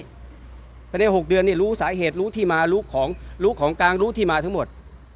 เพราะใน๖เดือนเนี่ยรู้สาเหตุรู้ที่มารู้ของกลางรู้ที่มาทั้งหมด